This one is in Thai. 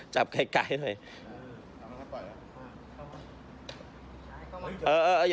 จับไกลหน่อย